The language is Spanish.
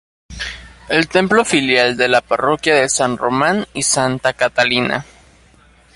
Es templo filial de la Parroquia de San Román y Santa Catalina.